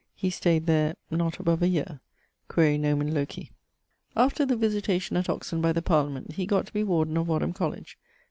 He stayed there ... (not above a yeare). [CI.] Quaere nomen loci. After the Visitation at Oxon by the Parliament, he gott to be Warden of Wadham Colledge.